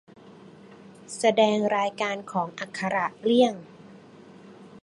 แสดงรายการของอักขระเลี่ยง